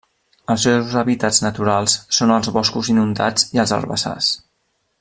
Els seus hàbitats naturals són els boscos inundats i els herbassars.